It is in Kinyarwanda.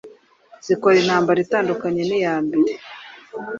Zikora intambara itandukanye n'iyambere